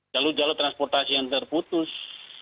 jalur jalur transportasi yang terputus